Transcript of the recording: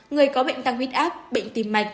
người có bệnh tăng huyết áp bệnh tìm mạch